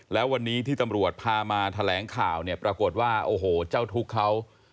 แล้ววันนี้ที่ตำรวจพามาแผ่งข่าวปรากฏว่าโอโหเจ้าทุกข่าว